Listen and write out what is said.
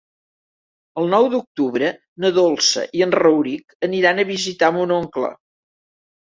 El nou d'octubre na Dolça i en Rauric aniran a visitar mon oncle.